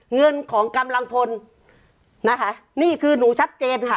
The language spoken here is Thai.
เงินของกำลังพลนะคะนี่คือหนูชัดเจนค่ะ